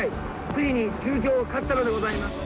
ついに中京勝ったのでございます。